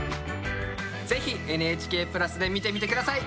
ぜひＮＨＫプラスで見てみて下さい！